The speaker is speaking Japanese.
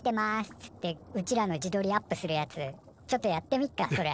つってうちらの自どりアップするやつちょっとやってみっかそれ。